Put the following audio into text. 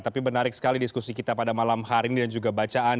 tapi menarik sekali diskusi kita pada malam hari ini dan juga bacaan